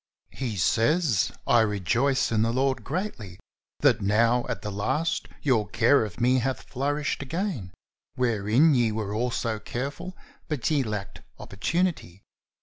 He says, "I rejoice in the Lord greatly that now at the last your care of me hath flourished again, wherein ye were also careful but ye lacked opportunity.